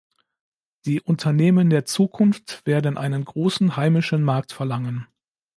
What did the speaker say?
Die Unternehmen der Zukunft werden einen großen heimischen Markt verlangen.